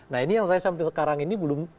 nah ini yang saya sampai sekarang ini belum